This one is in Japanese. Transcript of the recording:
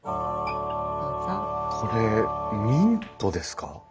これミントですか？